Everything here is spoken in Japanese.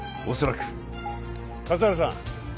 おそらく笠原さん